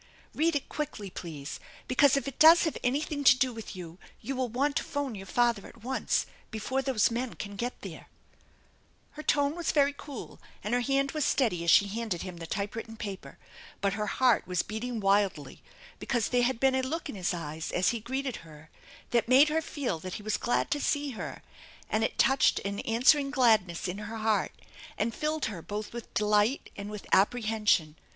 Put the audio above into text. Eead it quickly, please, because if it does have anything to do with you, you will want to phone your father at once, before those men can get there/' Her tone was very cool, and her hand was steady as she handed him the typewritten paper, but her heart was beat ing mildly, because there had been a look in his eyes as he greeted her that made her feel that he was glad to see her, and it touched an answering gladness in her heart and filled her both with delight and with apprehension.